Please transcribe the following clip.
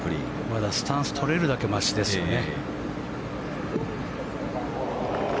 まだスタンスが取れるだけましですよね。